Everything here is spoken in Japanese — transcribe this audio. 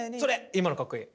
今のかっこいい。